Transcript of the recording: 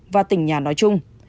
và tỉnh nhà nói chung